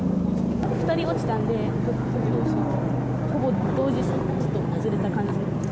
２人落ちたんで、ほぼ同時というか、ちょっとずれた感じ。